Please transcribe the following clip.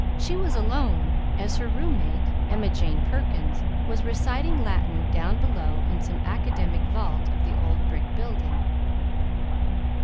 She was alone, as her roommate, Emma Jane Perkins, was reciting Latin down below in some academic vault of the old brick building.